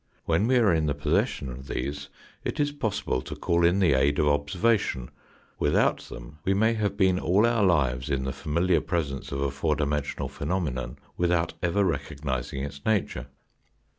When we are in possession of these it is possible to call in the aid of observation, without them we may have been all our lives in the familiar presence of a four dimensional phenomenon without ever recognising its nature.